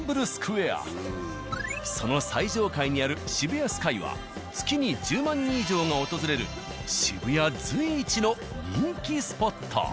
その最上階にあるＳＨＩＢＵＹＡＳＫＹは月に１０万人以上が訪れる渋谷随一の人気スポット。